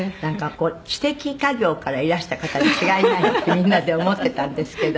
「知的稼業からいらした方に違いないってみんなで思っていたんですけど」